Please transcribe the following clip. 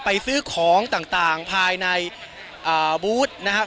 ไปซื้อของต่างภายในบูธนะครับ